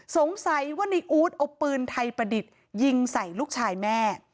สงสัยว่าในอู๊ดเอาปืนไทยประดิษฐ์ยิงใส่ลูกชายแม่